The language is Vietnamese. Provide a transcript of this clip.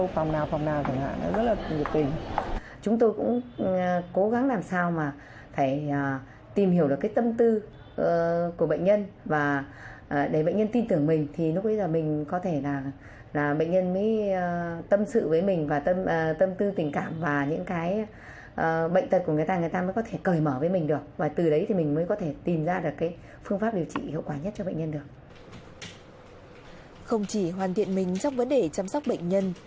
không chỉ hoàn thiện mình trong vấn đề chăm sóc bệnh nhân